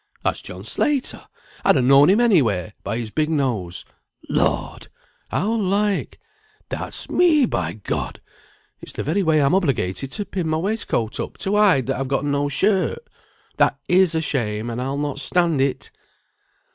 "That's John Slater! I'd ha' known him anywhere, by his big nose. Lord! how like; that's me, by G , it's the very way I'm obligated to pin my waistcoat up, to hide that I've gotten no shirt. That is a shame, and I'll not stand it."